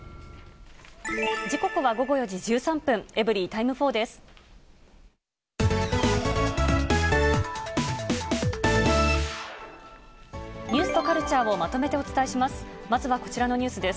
時刻は午後４時１３分、エブリィタイム４です。